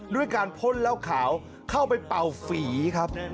ด้วยการพ่นเหล้าขาวเข้าไปเป่าฝีครับ